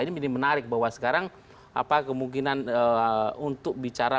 ini menjadi menarik bahwa sekarang kemungkinan untuk bicara